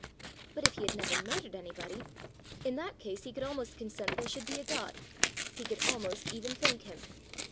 But if he had never murdered anybody! In that case he could almost consent there should be a God! he could almost even thank him!